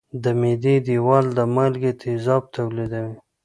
د معدې دېوال د مالګي تیزاب تولیدوي.